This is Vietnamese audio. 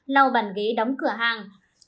lau bàn ghế đóng cửa hàng